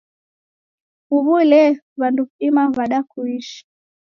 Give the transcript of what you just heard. Huw'u lee, w'andu w'idima w'ada kuishi?